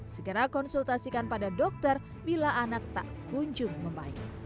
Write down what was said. segera konsultasikan pada dokter bila anak tak kunjung membaik